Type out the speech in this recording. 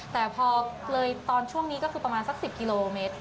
แต่พอเลยตอนช่วงนี้ก็คือประมาณสัก๑๐กิโลเมตร